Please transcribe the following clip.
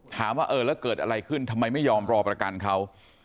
ถามว่าเออแล้วเกิดอะไรขึ้นทำไมไม่ยอมรอประกันเขา